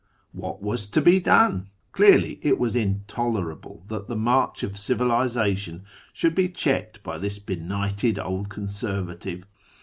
What was to be done ? Clearly it was intolerable that the march of civilisation should be checked by this benighted FROM TEHERAn to ISFAHAN 163 old conservative.